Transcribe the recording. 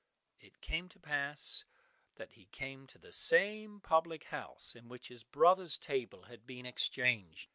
It came to pass that he came to the same public house in which his brother's table had been exchanged.